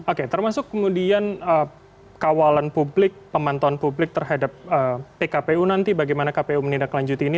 oke termasuk kemudian kawalan publik pemantauan publik terhadap pkpu nanti bagaimana kpu menindaklanjuti ini